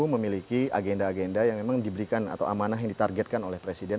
memiliki agenda agenda yang memang diberikan atau amanah yang ditargetkan oleh presiden